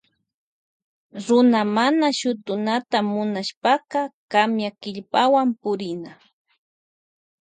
Runa mana shutunata munashpaka kamyakillpawan purina.